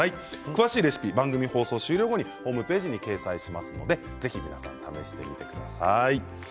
詳しいレシピは番組終了後にホームページに掲載しますのでぜひ皆さん、試してみてください。